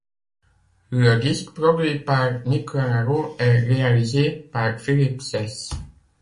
Le disque, produit par Mick Lanaro, est réalisé par Philippe Saisse.